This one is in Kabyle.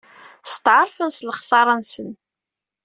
Steɛṛfen s lexṣara-nsen.